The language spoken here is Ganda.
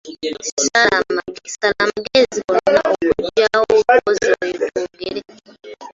Sala amagezi gonna okuggyawo omukozi oyo twogere.